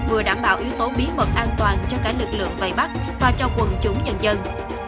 vừa đảm bảo yếu tố bí mật an toàn cho cả lực lượng vầy bắc và cho quân chủng nhân dân